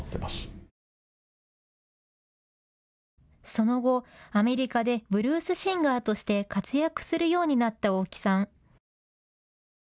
その後、アメリカでブルースシンガーとして活躍するようになった大木さん。